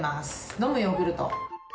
飲むヨーグルト。